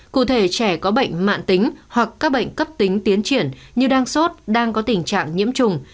cụ thể trẻ có bệnh mạng tính hoặc các bệnh cấp tính tiến triển như đang sốt đang có tình trạng nhiễm trùng